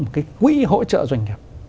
một cái quỹ hỗ trợ doanh nghiệp